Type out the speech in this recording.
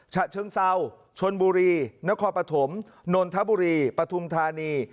ฉะเชิงเซาชนบุรีนครปฐมนนทบุรีปฐุมธานี